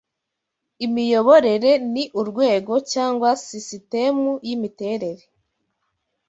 imiyoborere ni urwego cyangwa sisitemu y'imiterere